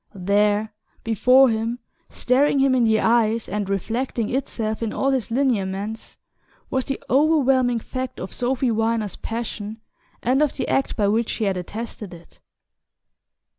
There before him, staring him in the eyes, and reflecting itself in all his lineaments, was the overwhelming fact of Sophy Viner's passion and of the act by which she had attested it.